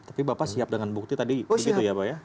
tapi bapak siap dengan bukti tadi begitu ya pak ya